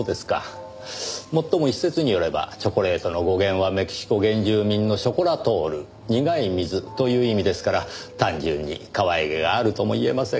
もっとも一説によればチョコレートの語源はメキシコ原住民のショコラトール「苦い水」という意味ですから単純にかわいげがあるとも言えませんが。